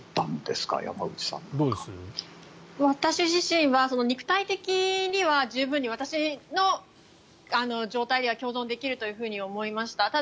私自身は肉体的には十分に私の状態では共存できると思いました。